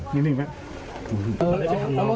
น้ำ